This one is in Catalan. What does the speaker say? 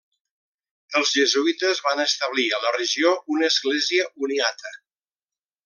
Els jesuïtes van establir a la regió una Església uniata.